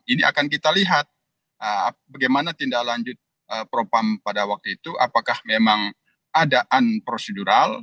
ini akan kita lihat bagaimana tindak lanjut propam pada waktu itu apakah memang ada unprocedural